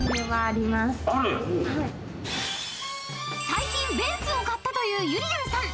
［最近ベンツを買ったというゆりやんさん］